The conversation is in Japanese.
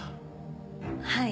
はい。